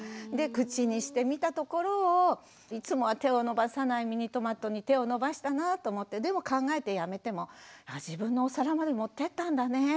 で口にしてみたところをいつもは手を伸ばさないミニトマトに手を伸ばしたなぁと思ってでも考えてやめても「あ自分のお皿まで持ってたんだね」